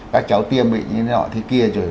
các cháu tiêm bị như thế kia rồi